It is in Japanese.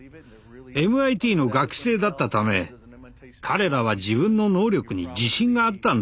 ＭＩＴの学生だったため彼らは自分の能力に自信があったんだろう。